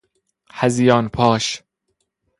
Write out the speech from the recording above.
هذیان پاش